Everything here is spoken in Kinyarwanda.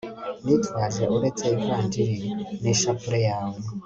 nitwaje, uretse ivanjiri n'ishapule yawe